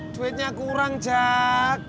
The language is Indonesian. duitnya kurang jak